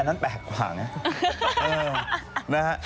อันนั้นแปลกความนะ